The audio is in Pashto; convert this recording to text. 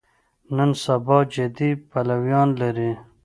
نن سبا جدي پلویان لري.